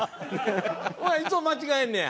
いつも間違えんねや。